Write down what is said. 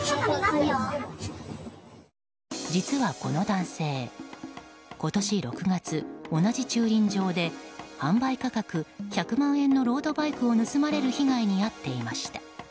実はこの男性、今年６月同じ駐輪場で販売価格１００万円のロードバイクを盗まれる被害に遭っていました。